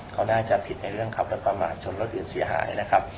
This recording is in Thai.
เขาน่าจะผิดในเรื่องขับรถประมาทชนรถอื่นเสียหายนะครับ